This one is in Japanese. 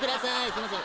すいません。